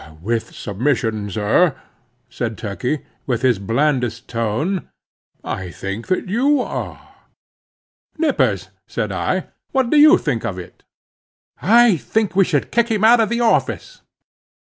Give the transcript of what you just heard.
"With submission, sir," said Turkey, with his blandest tone, "I think that you are." "Nippers," said I, "what do you think of it?" "I think I should kick him out of the office."